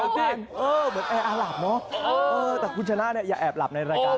เหมือนแอร์อาหลับเนอะแต่คุณชนะเนี่ยอย่าแอบหลับในรายการ